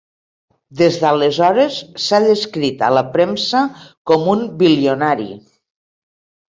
Des d'aleshores, s'ha descrit a la premsa com un bilionari.